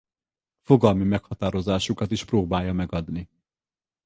Fogalmi meghatározásukat is próbálja megadni.